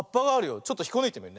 ちょっとひっこぬいてみるね。